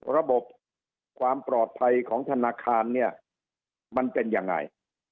ระบบความปลอดภัยของธนาคารเนี่ยมันเป็นยังไง